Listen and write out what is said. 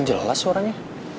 gak jelas suaranya